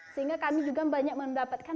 sehingga kami juga banyak mendapatkan